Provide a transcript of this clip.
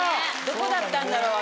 どこだったんだろう？